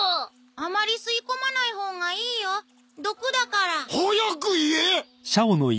あまり吸い込まないほうがいいよ毒だから早く言えッ！